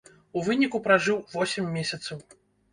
У выніку пражыў восем месяцаў.